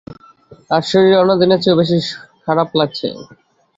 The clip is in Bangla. আজ শরীর অন্যদিনের চেয়েও বেশি খারাপ লাগছে।